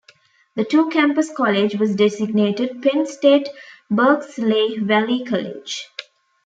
The two-campus college was designated Penn State Berks-Lehigh Valley College.